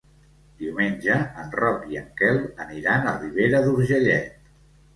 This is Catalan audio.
Diumenge en Roc i en Quel aniran a Ribera d'Urgellet.